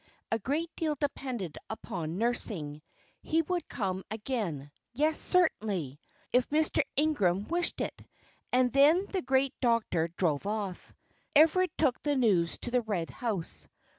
A great deal depended upon nursing. He would come again yes, certainly, if Mr. Ingram wished it; and then the great doctor drove off. Everard took the news to the Red House.